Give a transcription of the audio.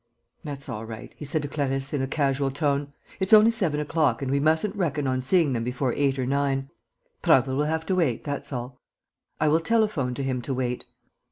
"That's all right," he said to Clarisse, in a casual tone. "It's only seven o'clock and we mustn't reckon on seeing them before eight or nine. Prasville will have to wait, that's all. I will telephone to him to wait."